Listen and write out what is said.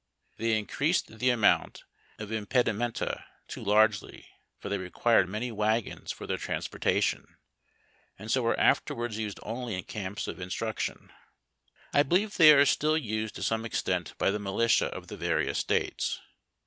They increased the amount of im pedimenta too largely, for they required many wagons for their transportation, and so were afterwards used only in camps of instruc tion. I believe they are still used to some extent by tlie militia of the various States.